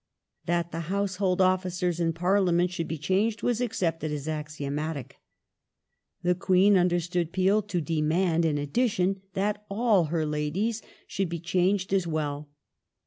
That the Household officers in Parliament should be changed was accepted as axiomatic. The Queen understood Peel to demand in addition that all her Ladies should be changed as well.